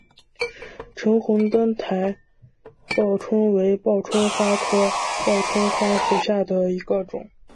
橙红灯台报春为报春花科报春花属下的一个种。